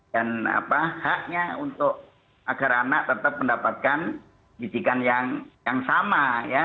dan haknya untuk agar anak tetap mendapatkan pendidikan yang sama ya